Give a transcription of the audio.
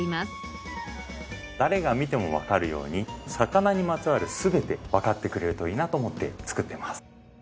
誰が見てもわかるように魚にまつわる全てわかってくれるといいなと思って作ってます。